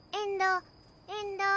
えんどー。